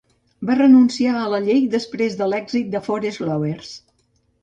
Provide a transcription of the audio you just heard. Va renunciar a la llei després de l'èxit de Forest Lovers.